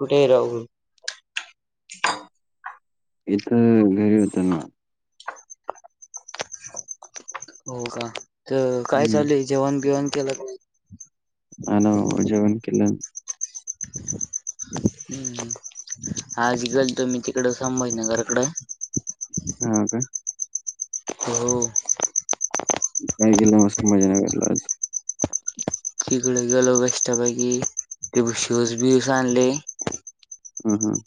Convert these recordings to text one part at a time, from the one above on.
कुठे राहु. इथ घरी होत ना. हो का तर काय हम्म. चालय जेवाण बिवाण केलका? आला बाबा, जेवण [inaudible] [inaudible] हम्म आज गेलतो तिकड संभाजीनगर कड हा का. हो. काय गि मस्त मजा कराला आज. चिकडे गेलो मस्त पैकी तिकडुन शूज बीस आणले. हम्म हम्म.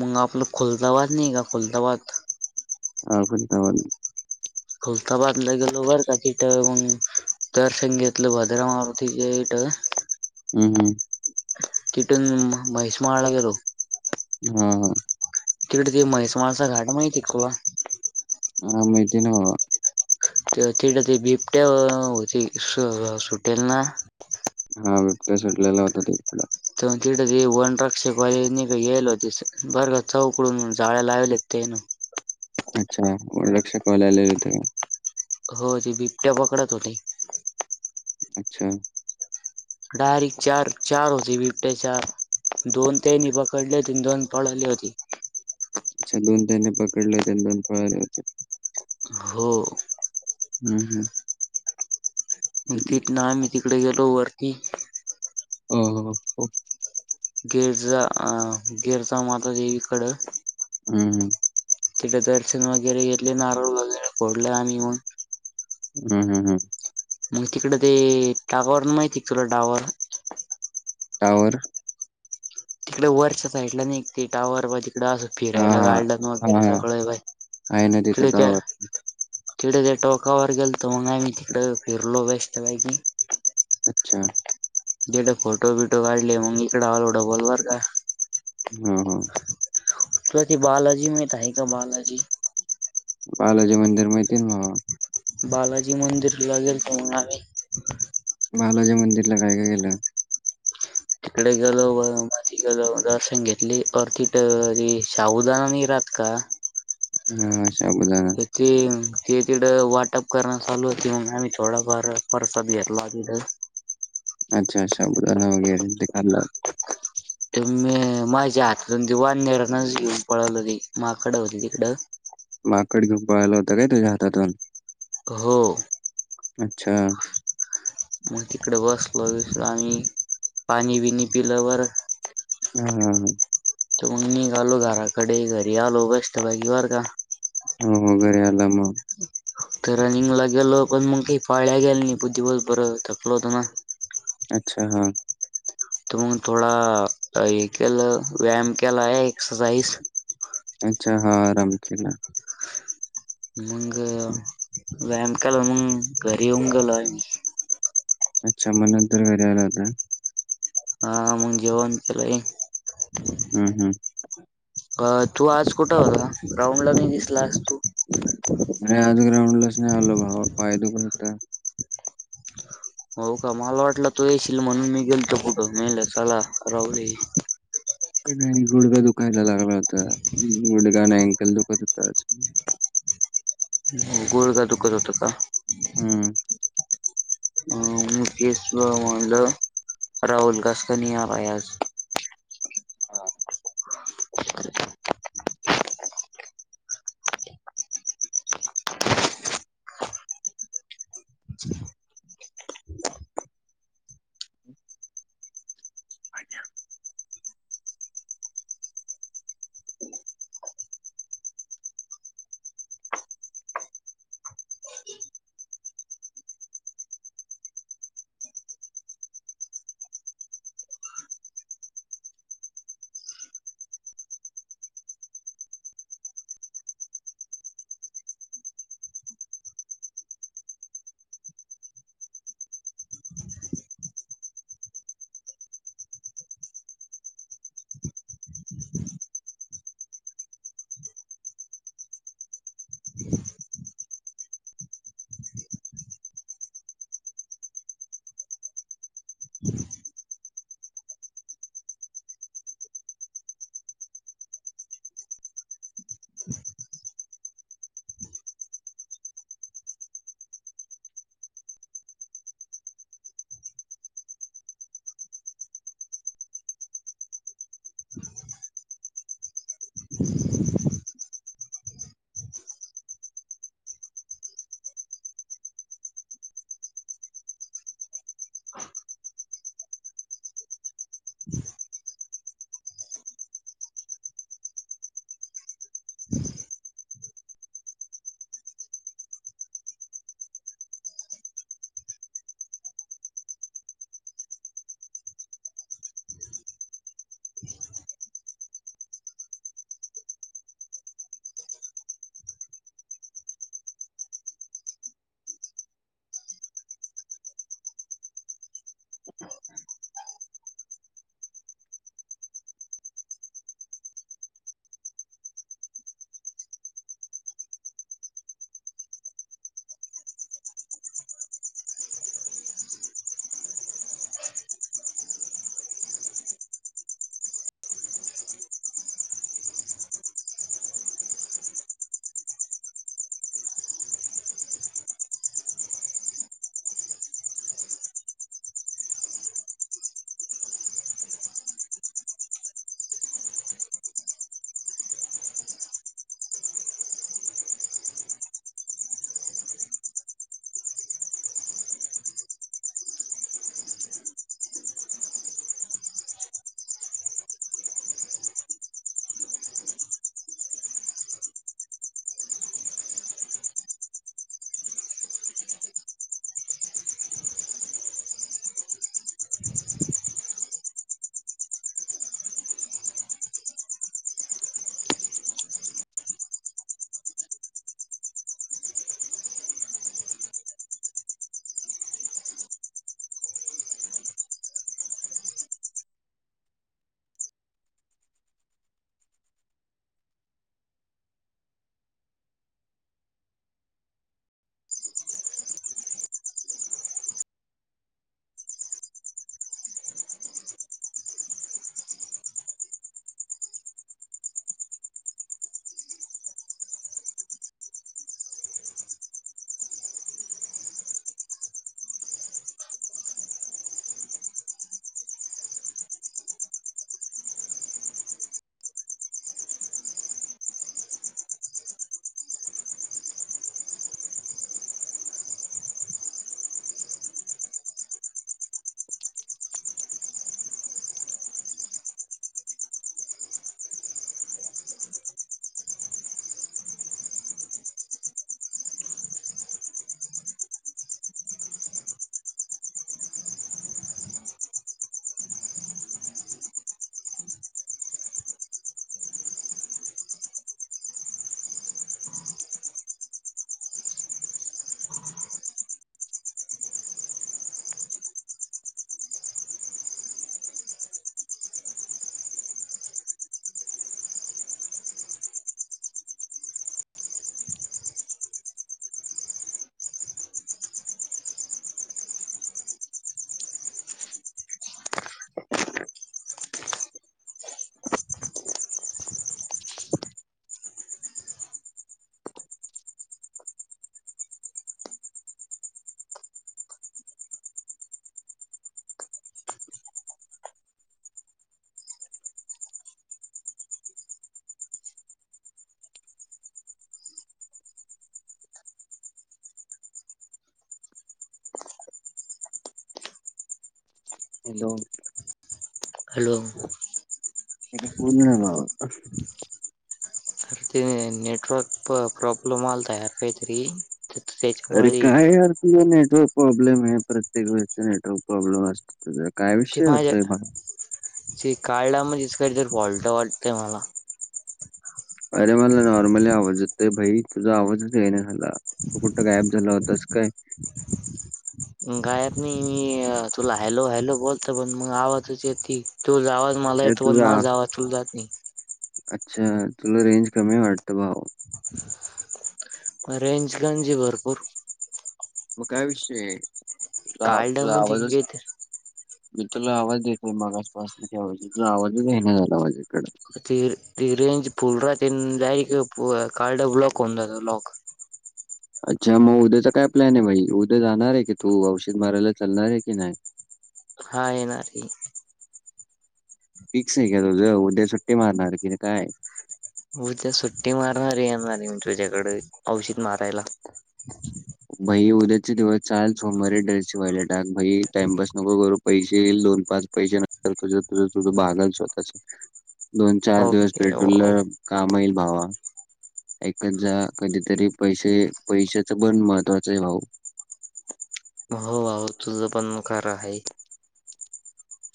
मग आपलं खुलताबाद नाही का खुलताबाद हा खुलताबाद.. खुलताबादला गेलो बरं का तिट मग दर्शन घेतलं भद्रा मारुतीचे इट हम्म हम्म. तिथून म्हैसमाळला गेलो. हा हा. तिकडे ते म्हैस ह माहिती आहे ना भावा. ति ते बिबट्या होती सुटेल ना हा बपट्या सोडलेला होता तिकड. तिथते वन रक्षक वालेयेल हो बर चौकडून जाळ्या लावले तेन अच्छा वन रक्षकवाले आलेले होते. हो ती बिबट्या पकडत होते. अच्छा. डायरेक्ट चार, चार होते बीबटया चार दोन तेनी पकडले होती दोन पळली होती [unintelligible] अच्छा दोन त्यांनी पकडले होते दोन पळाले होते. हो. हम्म हम्म. तिथन आम्ही तिकडे गेलो वरती हो हो हो. गिरजा अं गिरजा माता देेवीकड हम्म हम्म. तिथं दर्शन वगैरे घेतले नारळ वगैरे फोडल आणि म हम्म हम्म हम्म. मग तिकड ते टाकावर माहिती आहे तुला डावार टावर तिकडे वरच्या साइडलं ना [unintelligible] तिकड असं हा फिरायला हा. गाडलंन हा वगैरे हा. सगळं [unintelligible] आहे ना तिथं टावर. तिकडे ते टोकावर गेल तर मग आम्ही तिकडे फिरलो बेस्ट पैकी अच्छा जडे फोटो बिटो काढले मग इकड अलो डबल बर का हम हम तु की बालजी माहिती आहे का बालाजी बालाजी मंदिर माहिती ना बालाजी मंदिर ला [unintelligible] बालाजी मंदिरला काय काय केेलं इकडे गेलो त दर्शन घेतली अ तिट शाबूदाना नि राहात का हा शाबुदना ती हे तिड वाटप करणं चालू होती म्हण आम्ही थोडाफार परसाद घेतला तिथ अच्छा अच्छा [unintelligible] वगैरे ते खालं ते मी माझ्या हातातून दिवान नराणच घेऊन पळवलं ते माकड होती तिकडं माकड घेऊन पळायला होतं काय त्याच्या हातातून हो अच्छा मग तिकडे बसल विस आम्ही पाणी बिनी पिल्यावर ह हा हा त निघालो घराकडे घरी आलो बेष्ट पैकी बरं का हो हो घरी आला मग तर रनिंगला गेलो पण मग काही पाळ्या गेल्या नाही दिवस बर थकल होत ना अच्छा हा तर मग थोडा हे केलं व्यायाम केलाय एक्सरसाइज अच्छा हा रमखेला मग व्यायामकाल मग घरी येऊन गेलो अच्छा म नंतर घरी आला होता हा मग जेवण केलाय हम् हम् अ तू आज कुठे होता ग्राउंड ला या नाही दिसलास तू अरे आज ग्राउंडलाच नाही आल भावा पाय दुखत होता हो का मला वाटला तू येशील म्हणून मी गेलतो कुठं [unintelligible] नाही गुडगा दुखायला लागला होता गुडगा नाही अँकल दुखत होता आज गुडघा दुखत होत का हम्म मुकेश ला मनलं राहुल कसा कणी आलाय आज [inaudible] [inaudible] हॅलो हॅलो ते पूर्ण नाव [unintelligible] ते नेटवर्क प्रॉबलम आलता यार काहीतरी अरे त्याच्यामुळे काय यार तुझ नेटवर्क प्रॉब्लेम आहे प्रत्येक वेळेचा नेटवर्क प्रॉब्लेम असत तुझा काय ते विषय माझ्या होतय भावा ते काळला म्हणजेच काहितरी फॉल्ट वाटतंय मला अरे मला नॉर्मली आवाजेत भाई तुझा आवाजच येईना झाला तो कुठं गायब झाला होताच काय? गायब नाही मी तुला हॅलो हॅलो बोलत पण मग आवाज य ती तू आवाज मला अरे येतो पण तुझा माझा आवाज तुला जात नाही. अच्छा तुला रेंज कमी वाटतं भाऊ. रेंजगंजी भरपूर. मग काय विषय तुझ कार्डा तुझा मध्ये आवाजच घेत मी तुला आवाज देतय मागाासपासनाच तुझा आवाज आहे नाही झाला माझ्याकडे ती ती रेज फूल राहती ती जाय इकडे कार्ड ब्लाॉक होऊन जाते ब्लाॉक. अच्छा मग उद्याचा काय प्लॅन आहे बाई उद्या जाणार आहे की तू औषध मारायला चालणार आहे की नाही. हा येणार की. फिक्स आहे का तुझं उद्या सुट्टे मारणार की नाही काय उद्या सुट्टी मारणार येणार म्हणजेुझ्याकडे औषध मारायला. भई उद्याचे दिवस चाल सोमवारीे ड्रेस शिवायला टाका भाई टाइमपास नको करू. पैसे ये दोन पाच पैसे नंतर तुझ तुझ तुझ बगाल स्वतःचे दोन चार दिवस ओके पेटुल हो काम येईल भावा. एकऐत जा कधीतरी पैसे पैशाच बण महत्वाचं आहे भाऊ. होबात. तुल पण मु खर आहे.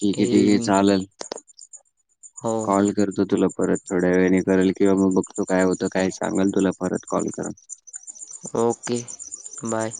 ठीक आहे ठीक आहे मी चालेल. हो कॉल करतो तुला परत थोड्या वेळने करेल किंवा मग बघतो काय होतं काय सांगल तुला परत कॉल करा. Okay bye.